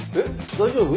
大丈夫？